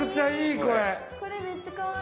これめっちゃかわいい。